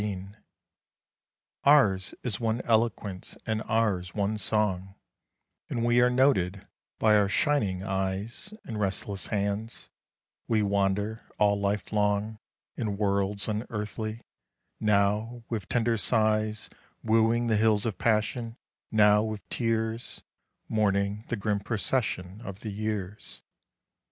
127 ONE MORE SONG Ours is one eloquence and ours one song, And we are noted by our shining eyes And restless hands ; we wander all life long In worlds unearthly, now with tender sighs Wooing the hills of passion, now with tears Mourning the grim procession of the years.